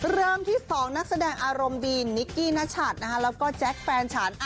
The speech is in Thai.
เริ่มที่สองนักแสดงอารมณ์ดีนิกกี้นัชัตริย์นะคะแล้วก็แจ็คแฟนฉัน